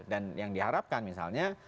dan yang diharapkan misalnya